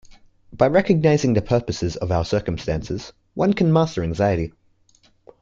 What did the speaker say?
By recognizing the purpose of our circumstances, one can master anxiety.